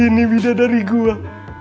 ini bida dari gue